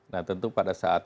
nah tentu pada saat